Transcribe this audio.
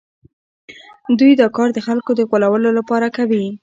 دوی دا کار د خلکو د غولولو لپاره کوي